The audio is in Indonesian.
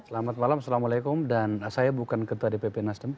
selamat malam assalamualaikum dan saya bukan ketua dpp nasdem